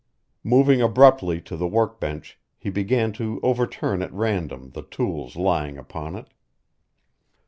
Moving abruptly to the work bench he began to overturn at random the tools lying upon it.